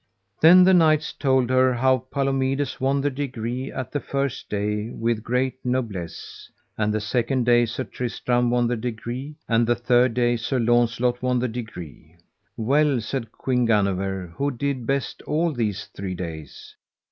Then the knights told her how Palomides won the degree at the first day with great noblesse; and the second day Sir Tristram won the degree; and the third day Sir Launcelot won the degree. Well, said Queen Guenever, who did best all these three days?